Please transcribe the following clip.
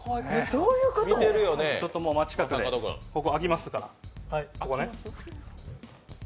ちょっと近くでここ、開きますから。